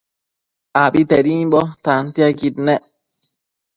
Abitedimbo tantiaquid nec